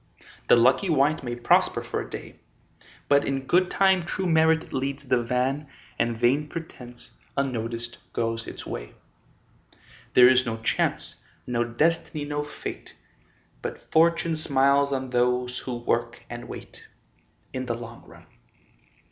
The lucky wight may prosper for a day, But in good time true merit leads the van And vain pretence, unnoticed, goes its way. There is no Chance, no Destiny, no Fate, But Fortune smiles on those who work and wait, In the long run.